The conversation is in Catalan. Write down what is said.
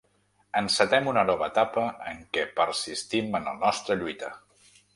Encetem una nova etapa en què persistim en la nostra lluita!